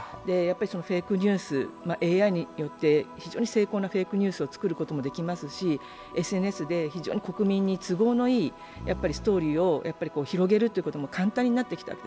フェイクニュース、ＡＩによって非常に精巧なフェイクニュースを作ることもできますしＳＮＳで都合のいいストーリーを広げることが簡単になってきた。